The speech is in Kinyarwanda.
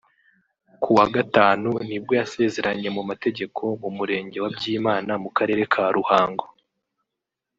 ku wa Gatanu ni bwo yasezeranye mu mategeko mu murenge wa Byimana mu Karere ka Ruhango